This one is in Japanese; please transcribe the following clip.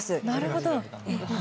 なるほど！